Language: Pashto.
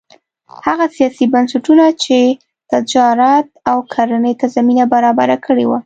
هغه سیاسي بنسټونه چې تجارت او کرنې ته زمینه برابره کړې وه